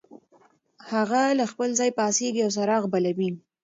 هغه له خپل ځایه پاڅېږي او څراغ بلوي.